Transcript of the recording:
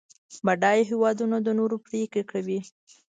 بډایه هېوادونه د نورو پرېکړې کوي.